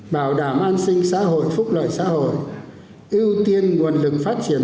bảo đảm an sinh xã hội phúc lợi xã hội ưu tiên nguồn lực phát triển